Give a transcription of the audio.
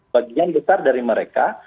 bagian besar dari mereka